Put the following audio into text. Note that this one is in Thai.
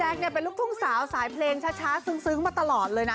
เป็นลูกทุ่งสาวสายเพลงช้าซึ้งมาตลอดเลยนะ